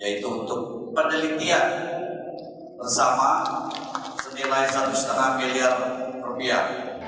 yaitu untuk penelitian bersama senilai satu lima miliar rupiah